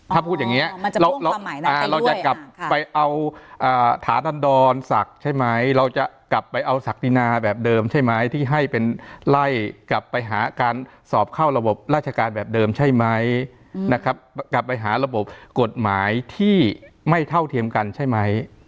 ถ้าพูดอย่างนี้เราจะกลับไปเอาถาตันดรศักดิ์ใช่ไหมเราจะกลับไปเอาศักดินาแบบเดิมใช่ไหมที่ให้เป็นไล่กลับไปหาการสอบเข้าระบบราชการแบบเดิมใช่ไหมนะครับกลับไปหาระบบกฎหมายที่ไม่เท่าเทียมกันใช่ไหม